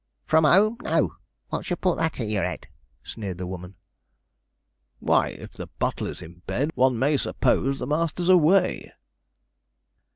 'From home, no; what should put that i' your head?' sneered the woman. 'Why, if the butler's in bed, one may suppose the master's away.'